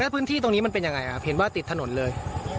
พื้นที่ตรงนี้มันเป็นยังไงเห็นว่าติดถนนเลย